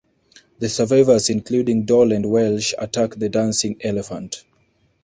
The survivors including Doll and Welsh attack The Dancing Elephant.